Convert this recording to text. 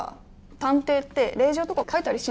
探偵って令状とか書いたりしないの？